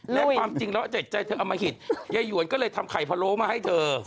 และความจริงแล้วเจ็ดใจเธอเอามาหิตยายหวนก็เลยทำไข่พะโล้มาให้เธอ